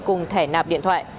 cùng thẻ nạp điện thoại